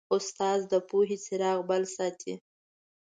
استاد د پوهې څراغ بل ساتي.